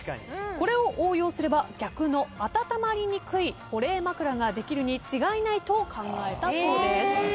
これを応用すれば逆の温まりにくい保冷枕ができるに違いないと考えたそうです。